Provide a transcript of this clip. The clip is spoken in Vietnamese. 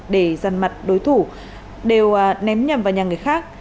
để giàn mặt đối thủ đều ném nhầm vào nhà người khác